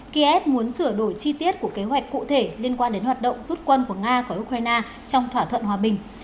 kiev muốn sửa đổi chi tiết của kế hoạch cụ thể liên quan đến hoạt động rút quân của nga khỏi ukraine trong thỏa thuận hòa bình